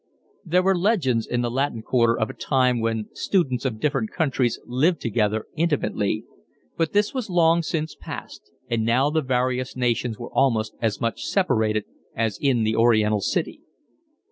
There were legends in the Latin quarter of a time when students of different countries lived together intimately, but this was long since passed, and now the various nations were almost as much separated as in an Oriental city.